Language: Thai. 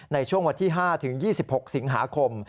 ในช่วงวันที่๕ถึง๒๖สิงหาคม